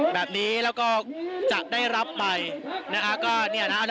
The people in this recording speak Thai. แบบนี้แล้วก็จะได้รับไปนะฮะก็เนี่ยนะฮะ